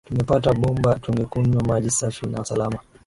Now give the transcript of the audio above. Tungepata bomba tungekunywa maji safi na salama.